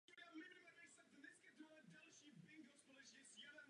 V tomto smyslu je to špatné označení.